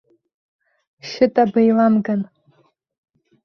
Шьыта, беиламган!